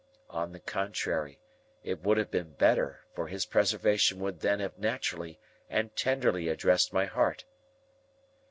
On the contrary, it would have been better, for his preservation would then have naturally and tenderly addressed my heart.